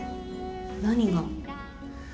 何が？